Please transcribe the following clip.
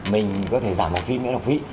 mình có thể giảm học phí miễn học phí